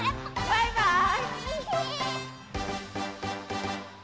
バイバイ！